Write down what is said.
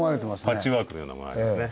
パッチワークのようなものありますね。